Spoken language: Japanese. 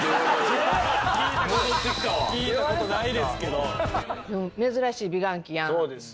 聞いた事ないですけど。